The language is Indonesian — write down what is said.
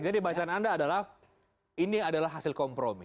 jadi bahasan anda adalah ini adalah hasil kompromi